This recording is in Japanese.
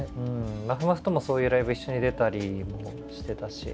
まふまふともそういうライブ一緒に出たりもしてたし。